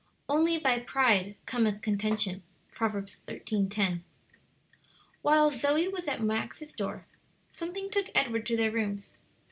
"Only by pride cometh contention." Prov. 13:10. While Zoe was at Max's door, something took Edward to their rooms.